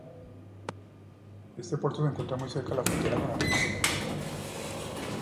Este puerto se encuentra muy cerca de la frontera con Argentina.